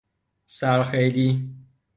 سر خیلی